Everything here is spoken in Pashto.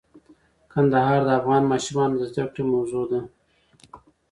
کندهار د افغان ماشومانو د زده کړې موضوع ده.